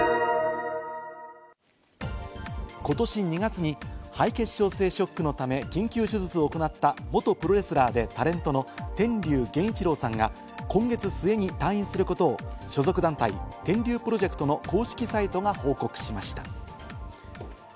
ことし２月に敗血症性ショックのため、緊急手術を行った元プロレスラーでタレントの天龍源一郎さんが、今月末に退院することを所属団体・天龍プロジェクトの公式サイトが報告しました。